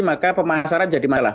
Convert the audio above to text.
maka pemasaran jadi masalah